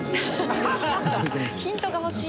ヒントが欲しい。